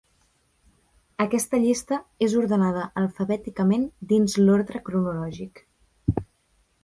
Aquesta llista és ordenada alfabèticament dins l'ordre cronològic.